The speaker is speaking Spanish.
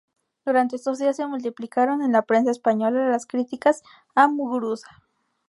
Durante estos días se multiplicaron en la prensa española las críticas a Muguruza.